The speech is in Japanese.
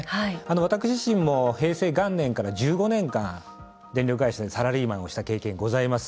私自身も平成元年から１５年間電力会社でサラリーマンをした経験ございます。